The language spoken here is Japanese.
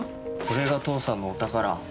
これが父さんのお宝。